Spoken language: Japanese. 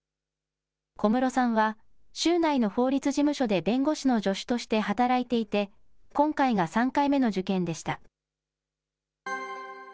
小室さんは、州内の法律事務所で弁護士の助手として働いていて、今回が３回目の受験でした。